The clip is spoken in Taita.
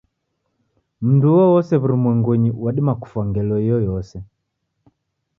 Mndu uoose w'urumwengunyi wadima kufwa ngelo iyoyose.